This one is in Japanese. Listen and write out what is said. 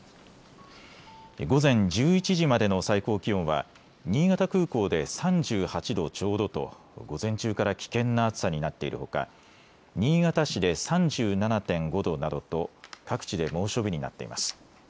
午前１１時までの最高気温は新潟空港で３８度ちょうどと午前中から危険な暑さになっているほか新潟市で３７．５度などと各地で猛暑日になっています。